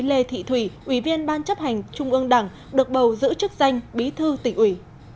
lê thị thủy ủy viên ban chấp hành trung ương đảng được bầu giữ chức danh bí thư tỉnh ủy